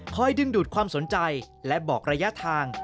ดึงดูดความสนใจและบอกระยะทาง